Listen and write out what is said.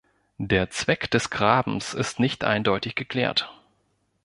Der Zweck des Grabens ist nicht eindeutig geklärt.